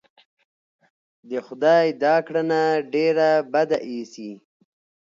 د خدای دا کړنه ډېره بده اېسي.